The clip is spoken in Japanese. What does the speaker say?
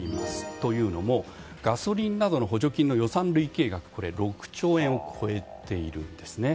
というのも、ガソリンなどの補助金の予算累計額は６兆円を超えています。